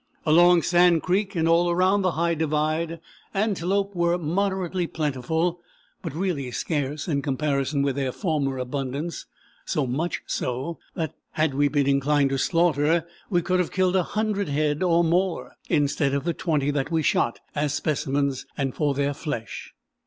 Along Sand Creek and all around the High Divide antelope were moderately plentiful (but really scarce in comparison with their former abundance), so much so that had we been inclined to slaughter we could have killed a hundred head or more, instead of the twenty that we shot as specimens and for their flesh.